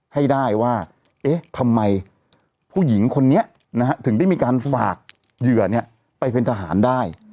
ให้ได้ว่าเอ๊ะทำไมผู้หญิงคนนี้ถึงได้มีการฝากเหยื่อไปเป็นทหารได้